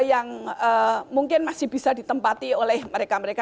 yang mungkin masih bisa ditempati oleh mereka mereka